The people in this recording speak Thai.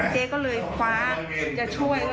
เจ๊ก็เลยคว้าจะช่วย